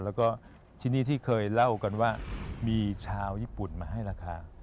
แล้วก็ที่นี่ที่เคยเล่ากันว่ามีชาวญี่ปุ่นมาให้ราคา